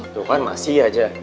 tuh kan masih aja